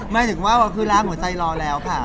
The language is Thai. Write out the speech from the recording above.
หมายถึงว่าคือล้างหัวใจรอแล้วค่ะ